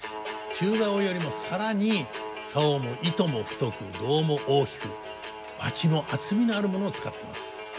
中棹よりも更に棹も糸も太く胴も大きくバチも厚みのあるものを使ってます。